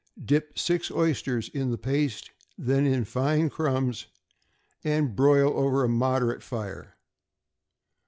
Dip six oysters in the paste, then in fine crumbs, and broil over a moderate fire.